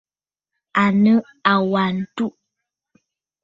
À nɨ àwa ǹtu.